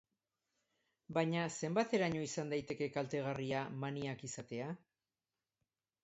Baina zenbateraino izan daiteke kaltegarria maniak izatea?